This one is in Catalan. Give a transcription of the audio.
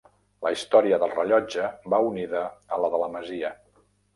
La història del rellotge va unida a la de la masia.